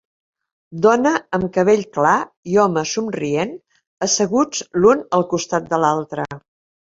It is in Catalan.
Dona amb el cabell clar i home somrient, asseguts l'un al costat de l'altre.